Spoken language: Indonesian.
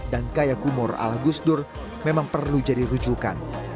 dan kaya kumur ala gus dur memang perlu jadi rujukan